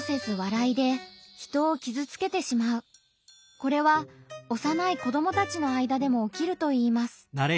これは幼い子どもたちの間でもおきるといいます。